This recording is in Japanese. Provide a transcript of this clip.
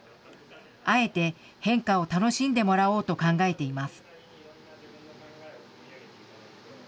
あえて変化を楽しんでもらおうと考えています。